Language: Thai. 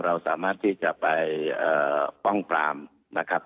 เราสามารถที่จะไปป้องปรามนะครับ